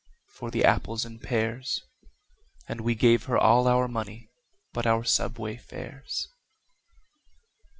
for the apples and pears, And we gave her all our money but our subway fares.